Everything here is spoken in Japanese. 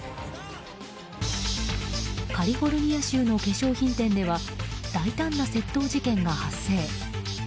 カリフォルニア州の化粧品店では大胆な窃盗事件が発生。